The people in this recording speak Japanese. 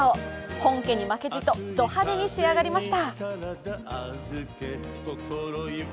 本家に負けじと、ド派手に仕上がりました。